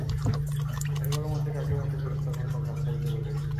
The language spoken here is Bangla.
কারো কারো মতে, কাকের মত ফেরেশতাগণ তাকে আচ্ছাদিত করে রেখেছে।